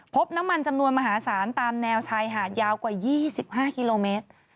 พบน้ำมันจำนวนมหาศาลตามแนวชายหาดยาวกว่า๒๕กิโลเมตร